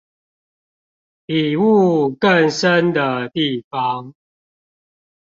比霧更深的地方